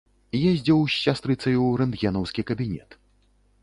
Ездзіў з сястрыцаю ў рэнтгенаўскі кабінет.